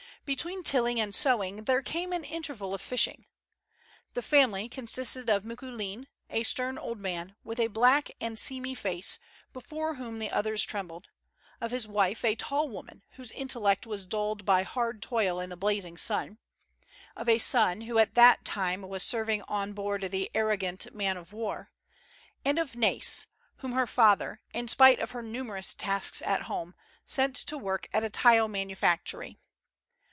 Between tilling and sowing, there came an interval of fishing. The family consisted of Micoulin, a stern old man, with a black and seamy face, before whom the others trembled ; of his wife, a tall woman, whose intellect was dulled by hard toil in the blazing sun ; of a son, who at that time was serving on board the Arrogant man of war ; and of Nai's, whom her father, in spite of her numerous tasks at home, sent to work at a tile manufactory.